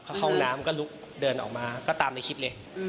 เขาเข้าห้องน้ำก็ลุกเดินออกมาก็ตามในคลิปเลย